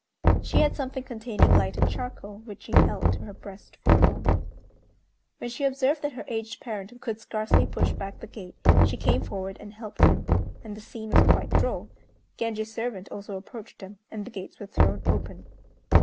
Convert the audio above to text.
She had something containing lighted charcoal which she held to her breast for warmth. When she observed that her aged parent could scarcely push back the gate, she came forward and helped him. And the scene was quite droll. Genji's servant also approached them, and the gates were thrown open.